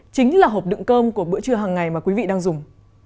chính là hộp đựng cơm của bữa trưa hàng ngày mà quý vị đang dùng